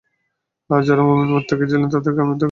আর যারা মুমিন-মুত্তাকী ছিল তাদেরকে আমি উদ্ধার করেছি।